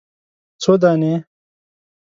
_څو دانې ؟